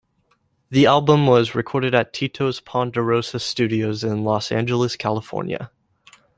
The album was recorded at Tito's Ponderosa Studios in Los Angeles, California.